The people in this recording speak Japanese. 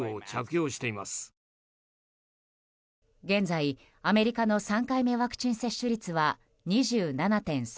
現在、アメリカの３回目ワクチン接種率は２７．３％。